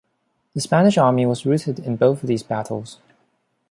The Spanish Army was routed in both of these battles.